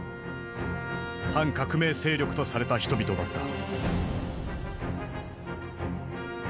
反革命勢力とされた人々だった。